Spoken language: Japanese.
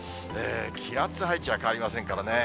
気圧配置が変わりませんからね。